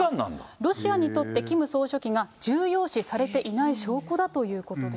ロシアにとってキム総書記が重要視されていない証拠だということです。